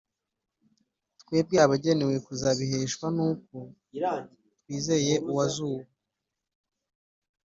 Twebwe abagenewe kuzabiheshwa n uko twizeye uwazuye